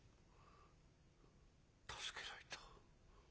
「助けられた。